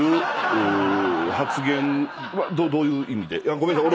ごめんなさい。